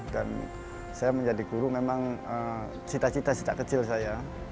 dan saya menjadi guru memang cita cita cita kecil saya